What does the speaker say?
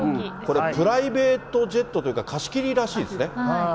これ、プライベートジェットというか、貸し切りらしいですね。